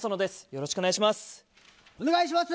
よろしくお願いします。